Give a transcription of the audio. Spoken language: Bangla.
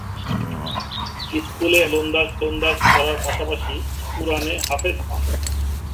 স্কুলে হাতা ওলন্দাজ পড়ার পাশাপাশি কুরআন-এ হাফেজ হন।